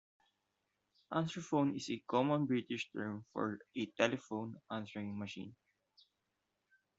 Answerphone is a common British term for a telephone answering machine